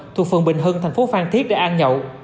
thuộc phường bình hưng thành phố phan thiết để ăn nhậu